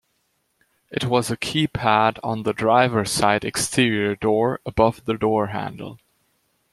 It was a keypad on the driver-side exterior door above the door handle.